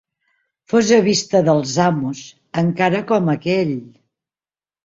Fos a vista dels amos, encara com aquell!…